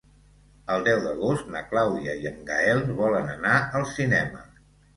El deu d'agost na Clàudia i en Gaël volen anar al cinema.